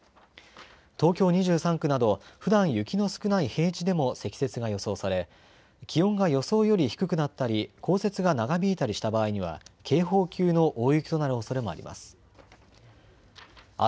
東京２３区などふだん雪の少ない平地でも積雪が予想され気温が予想より低くなったり降雪が長引いたりした場合には警報級の大雪となるおそれもあります。